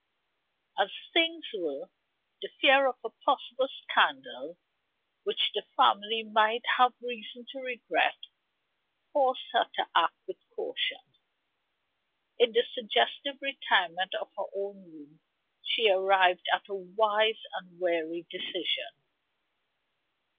As things were, the fear of a possible scandal which the family might have reason to regret forced her to act with caution. In the suggestive retirement of her own room, she arrived at a wise and wary decision.